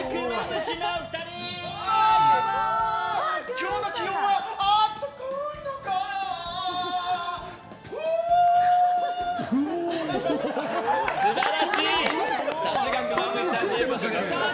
今日の気温はあったかいんだからぁ！